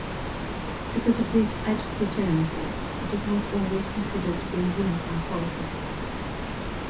Because of this edge-degeneracy, it is not always considered to be a uniform polyhedron.